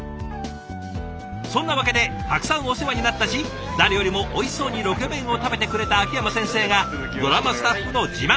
そんなわけでたくさんお世話になったし誰よりもおいしそうにロケ弁を食べてくれた秋山先生がドラマスタッフの自慢！